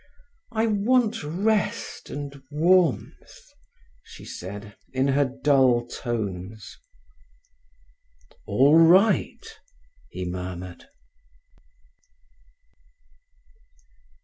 "I want rest and warmth," she said, in her dull tones. "All right!" he murmured.